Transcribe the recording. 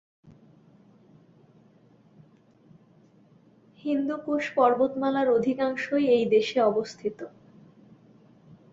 হিন্দু কুশ পর্বতমালার অধিকাংশই এই দেশে অবস্থিত।